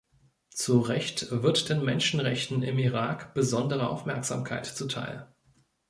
Zurecht wird den Menschenrechten im Irak besondere Aufmerksamkeit zuteil.